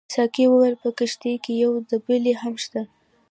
ساقي وویل په کښتۍ کې یو دبلۍ هم شته.